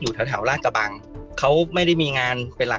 สุดท้ายก็ไม่มีทางเลือกที่ไม่มีทางเลือก